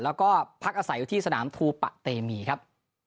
แล้วก็พักอาศัยอยู่ที่สนามทูปะเตมีครับ